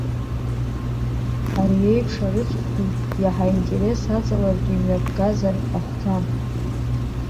Ари еиԥш арыцхә ду иаҳа аинтерес аҵалартә имҩаԥгазар ахәҭан.